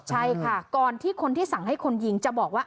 ใช่ค่ะก่อนที่คนที่สั่งให้คนยิงจะบอกว่า